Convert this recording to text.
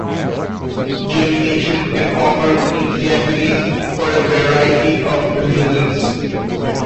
Gemination can occur in Japanese for a variety of reasons.